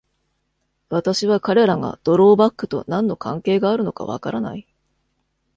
私は彼らが「ドローバック」と何の関係があるのか分からない?!